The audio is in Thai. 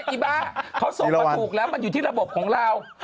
อีบ้าเขาส่งมาถูกแล้วมันอยู่ที่ระบบของเรา